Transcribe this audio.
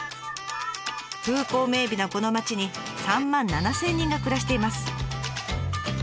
風光明美なこの町に３万７，０００人が暮らしています。